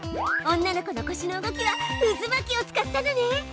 女の子のこしの動きは「渦巻き」を使ったのね！